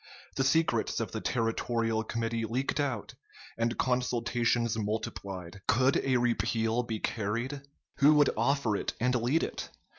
The secrets of the Territorial Committee leaked out, and consultations multiplied. Could a repeal be carried? Who would offer it and lead it?